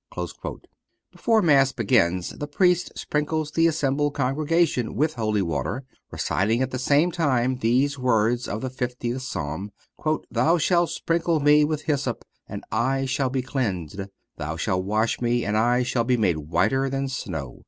(427) Before Mass begins the Priest sprinkles the assembled congregation with holy water, reciting at the same time these words of the fiftieth Psalm: "Thou shalt sprinkle me with hyssop, and I shall be cleansed; Thou shalt wash me, and I shall be made whiter than snow."